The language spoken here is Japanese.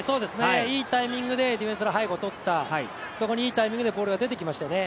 いいタイミングでディフェンスの背後をとったそこにいいタイミングでボールが出てきましたよね。